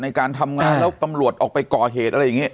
ในการทำงานแล้วตำรวจออกไปก่อเหตุ